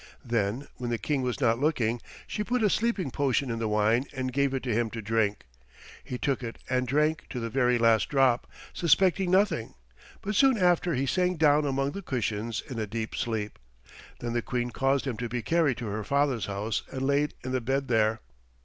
Then, when the King was not looking, she put a sleeping potion in the wine and gave it to him to drink. He took it and drank to the very last drop, suspecting nothing, but soon after he sank down among the cushions in a deep sleep. Then the Queen caused him to be carried to her father's house and laid in the bed there.